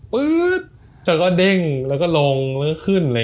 ื๊ดแล้วก็เด้งแล้วก็ลงแล้วก็ขึ้น